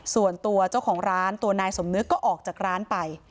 ส่วนตัวเจ้าของร้านตัวนายสมนึกก็ออกจากร้านไป